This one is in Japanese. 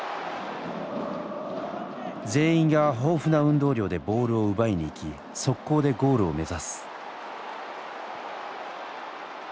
「全員が豊富な運動量でボールを奪いに行き速攻でゴールを目指す」。